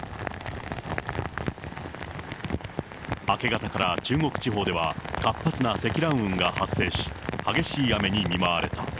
明け方から、中国地方では活発な積乱雲が発生し、激しい雨に見舞われた。